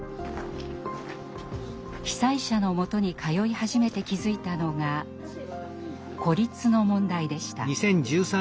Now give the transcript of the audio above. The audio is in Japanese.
被災者のもとに通い始めて気付いたのが「孤立」の問題でした。